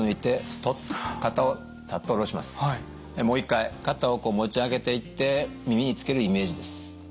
もう一回肩をこう持ち上げていって耳につけるイメージです。